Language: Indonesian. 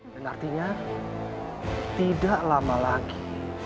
dan artinya tidak lama lagi